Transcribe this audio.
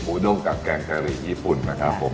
ด้งกับแกงกะหรี่ญี่ปุ่นนะครับผม